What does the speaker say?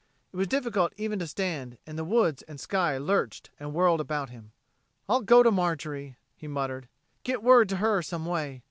It was difficult even to stand, and the woods and sky lurched and whirled about him. "I'll go to Marjorie," he muttered. "Get word to her some way.